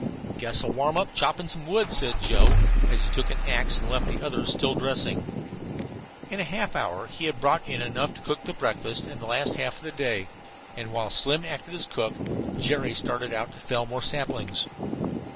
"Guess I'll warm up chopping some wood," said Joe, as he took an axe and left the others still dressing. In half an hour he had brought in enough to cook the breakfast and last half the day, and while Slim acted as cook, Jerry started out to fell more saplings.